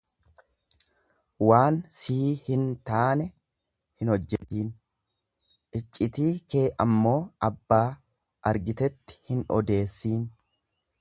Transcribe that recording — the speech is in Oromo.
Waan sii hin taane hin hojjatiin, iccitii kee ammoo abbaa argitetti hin odeessiin.